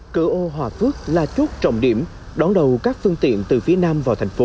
cử ô hòa phước là chốt trọng điểm đón đầu các phương tiện từ phía nam